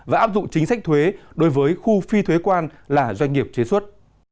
và áp dụng chính sách thuế đối với khu phi thuế quan là doanh nghiệp chế xuất